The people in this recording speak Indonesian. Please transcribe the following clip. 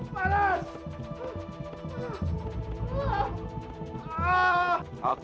balas badan dia